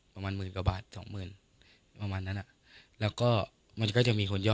พอมันก็บาท๒๐๐๐๐ประมาณนั้นนะแล้วก็มันก็จะมีคน